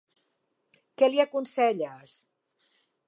Què li aconselles?